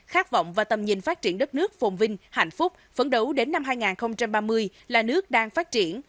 khát vọng và tầm nhìn phát triển đất nước phồn vinh hạnh phúc phấn đấu đến năm hai nghìn ba mươi là nước đang phát triển